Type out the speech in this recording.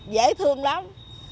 dễ thương lắm